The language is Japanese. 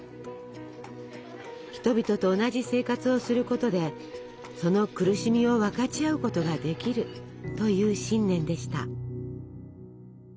人々と同じ生活をすることでその苦しみを分かち合うことができるという信念でした。